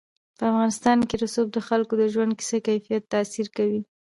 په افغانستان کې رسوب د خلکو د ژوند په کیفیت تاثیر کوي.